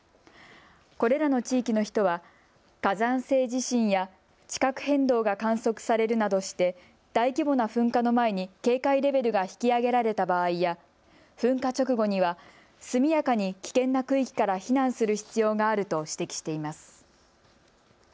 これらの地域の人は火山性地震や地殻変動が観測されるなどして大規模な噴火の前に警戒レベルが引き上げられた場合や噴火直後には速やかに危険な区域から避難する必要があると指摘しています。